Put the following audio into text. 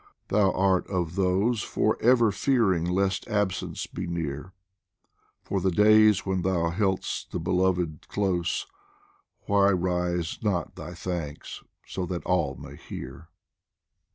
thou art of those For ever fearing lest absence be near ; For the days when thou held'st the Beloved close, Why rise not thy thanks so that all may hear